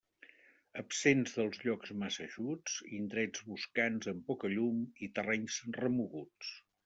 Absents dels llocs massa eixuts, indrets boscans amb poca llum i terrenys remoguts.